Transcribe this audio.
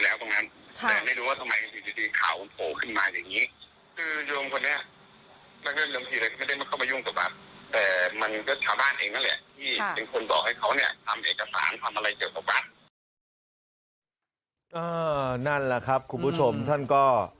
เอ่อนั่นละครับคุณผู้ชมท่านก็